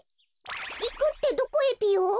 いくってどこへぴよ？